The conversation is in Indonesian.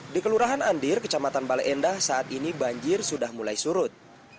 di kelurahan andir kecamatan bale endah saat ini banjir sudah mulai surut